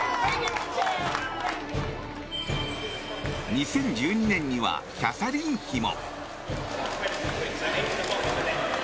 ２０１２年にはキャサリン妃も。